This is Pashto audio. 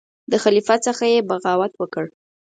د خلیفه څخه یې بغاوت وکړ.